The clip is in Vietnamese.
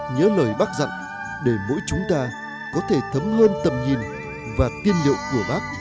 nhớ lời bác dặn để mỗi chúng ta có thể thấm hơn tầm nhìn và tiên liệu của bác